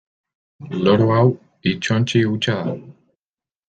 Loro hau hitzontzi hutsa da.